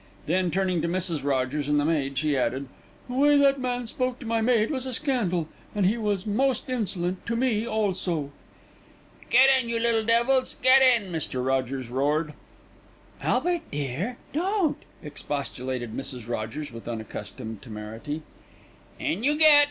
Then, turning to Mrs. Rogers and the maid, she added, "The way that man spoke to my maid was a scandal, and he was most insolent to me also." "Get in, you little devils, get in!" Mr. Rogers roared. "Albert dear, don't!" expostulated Mrs. Rogers with unaccustomed temerity. "In you get!"